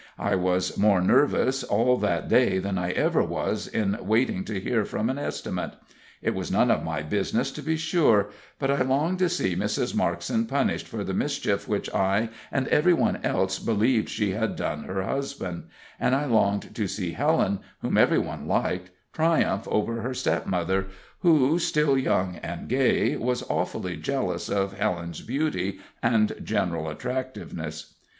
I was more nervous all that day than I ever was in waiting to hear from an estimate. It was none of my business, to be sure; but I longed to see Mrs. Markson punished for the mischief which I and every one else believed she had done her husband; and I longed to see Helen, whom every one liked, triumph over her stepmother, who, still young and gay, was awfully jealous of Helen's beauty and general attractiveness.